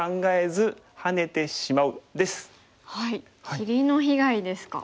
切りの被害ですか。